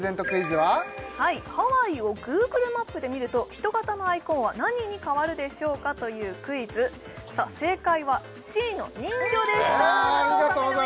はいハワイをＧｏｏｇｌｅマップで見ると人形のアイコンは何に変わるでしょうかというクイズ正解はＣの人魚でした中尾さん